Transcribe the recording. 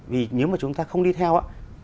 vì nếu mà chúng ta không đi theo